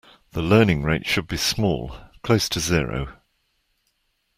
The learning rate should be small, close to zero.